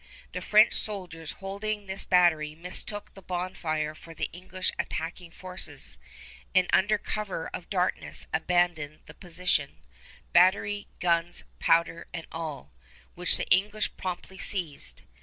The French soldiers holding this battery mistook the bonfire for the English attacking forces, and under cover of darkness abandoned the position, battery, guns, powder and all, which the English promptly seized.